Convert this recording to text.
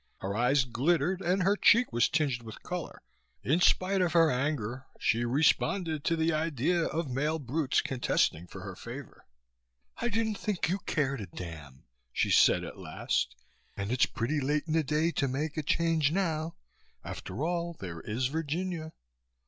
Her eyes glittered and her cheek was tinged with color. In spite of her anger, she responded to the idea of male brutes contesting for her favor. "I didn't think you cared a damn," she said at last, "and it's pretty late in the day to make a change now. After all, there is Virginia."